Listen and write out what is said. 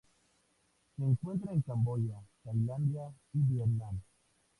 Se encuentra en Camboya, Tailandia y Vietnam.